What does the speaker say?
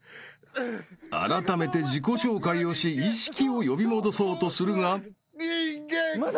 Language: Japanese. ［あらためて自己紹介をし意識を呼び戻そうとするが］